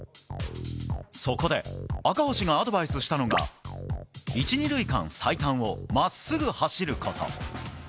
そこで赤星がアドバイスしたのが１、２塁間最短を真っすぐ走ること。